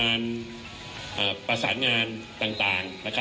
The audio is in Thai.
คุณผู้ชมไปฟังผู้ว่ารัฐกาลจังหวัดเชียงรายแถลงตอนนี้ค่ะ